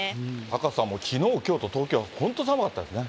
タカさんも、きのう、きょうと東京は本当に寒かったですね。